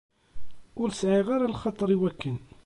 Ur sεiɣ ara lxaṭer i wakken.